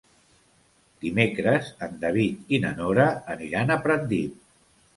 Dimecres en David i na Nora aniran a Pratdip.